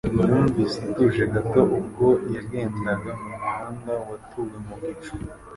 yumvise atuje gato ubwo yagendaga mu muhanda watuwe mu gicuku.